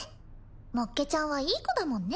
もっけちゃんはいい子だもんね